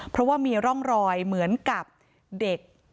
เพราะว่ามีร่องรอยเหมือนกับเด็ก